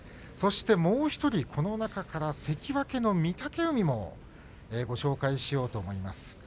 もう１人、この中から関脇の御嶽海をご紹介しようと思います。